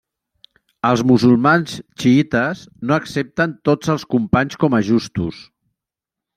Els musulmans xiïtes no accepten tots els companys com a justos.